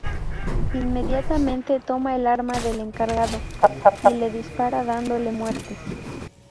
Inmediatamente toma el arma del encargado y le dispara dándole muerte.